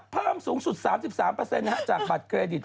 เพิ่มสูงสุด๓๓จากบัตรเครดิต